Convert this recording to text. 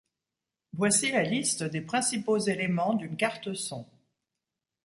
Voici la liste des principaux éléments d'une carte son.